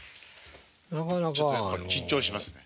ちょっとやっぱり緊張しますね。